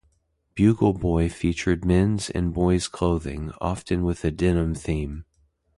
Bugle Boy featured men's and boys' clothing, often with a denim theme.